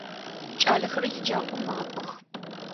Кӏалэхэр еджапӏэм макӏох.